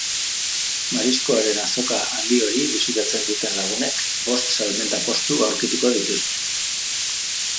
Mariskoaren azoka handi hori bisitatzen duten lagunek bost salmenta-postu aurkituko dituzte.